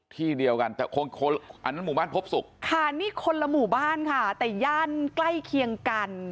ที่เดียวกันแต่คนอันนั้นหมู่บ้านพบศุกร์ค่ะนี่คนละหมู่บ้านค่ะแต่ย่านใกล้เคียงกัน